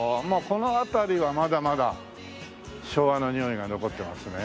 この辺りはまだまだ昭和のにおいが残ってますね。